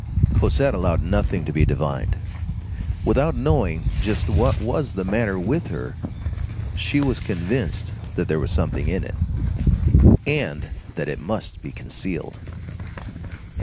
Cosette allowed nothing to be divined. Without knowing just what was the matter with her she was convinced that there was something in it, and that it must be concealed.